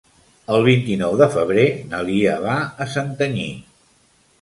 El vint-i-nou de febrer na Lia va a Santanyí.